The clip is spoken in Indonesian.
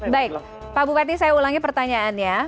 baik pak bupati saya ulangi pertanyaannya